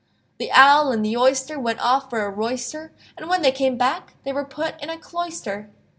The Owl and the Oyster Went off for a royster, And when they came back They were put in a cloister.